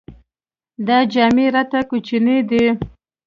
دا جامې راته کوچنۍ دي.